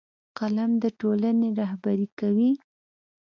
قلم د ټولنې رهبري کوي